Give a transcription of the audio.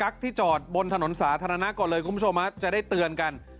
คุณผู้ชมจะได้เตือนกัน